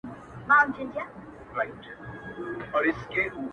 په مالت کي را معلوم دی په مین سړي پوهېږم!